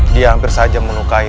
dia hampir saja melukai